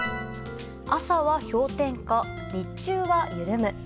朝は氷点下、日中は緩む。